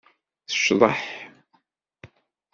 Tecḍeḥ.